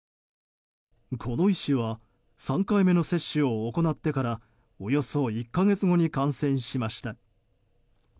この医師は３回目の接種を行ってからおよそ１か月後に感染しました。